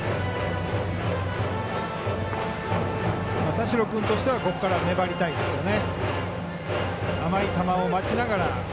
田代君としてはここから粘りたいですよね。